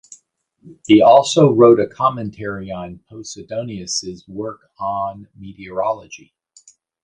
He also wrote a commentary on Posidonius' work "On Meteorology".